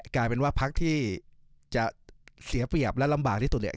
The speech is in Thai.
กลายเป็นว่าภาร์กที่จะเสียเปรียบและลำบากที่สูง